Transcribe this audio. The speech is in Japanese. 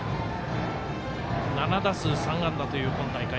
７打数３安打という今大会。